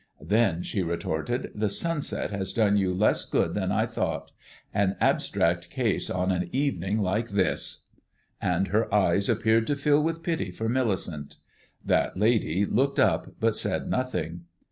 "Then," she retorted, "the sunset has done you less good than I thought. An abstract case on an evening like this!" And her eyes appeared to fill with pity for Millicent. That lady looked up, but said nothing.